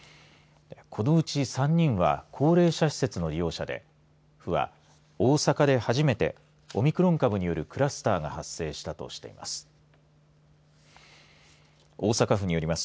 このうち３人は高齢者施設の利用者で府は、大阪で初めてオミクロン株によるクラスターが発生したとしています。